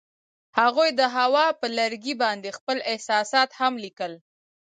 هغوی د هوا پر لرګي باندې خپل احساسات هم لیکل.